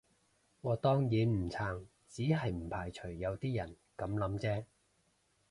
我當然唔撐，只係唔排除有啲人噉諗啫